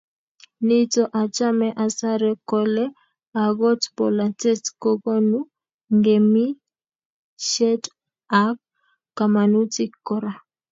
nito, achame atare kole akot bolatet kokonu ngemisiet ak kamanutik kora